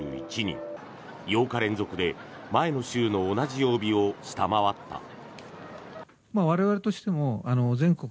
８日連続で前の週の同じ曜日を下回った。